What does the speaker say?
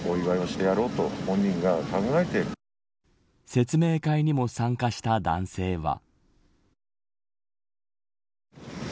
説明会にも参加した男性は。